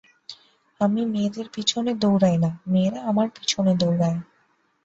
আমি মেয়েদের পিছনে দৌড়াই না, মেয়েরা আমার পিছনে দৌড়ায়।